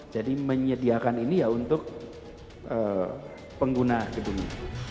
jadi menyediakan ini ya untuk pengguna gedung ini